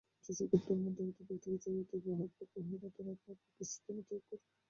যে-সকল ধর্মান্তরিত ব্যক্তিকে চাকরিতে বহাল রাখা হয় না, তারা আবার খ্রীষ্টধর্মও ত্যাগ করে।